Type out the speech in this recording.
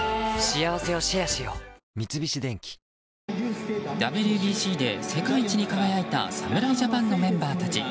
三菱電機ＷＢＣで世界一に輝いた侍ジャパンのメンバーたち。